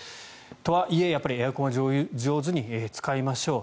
とはいえ、やっぱりエアコンは上手に使いましょう。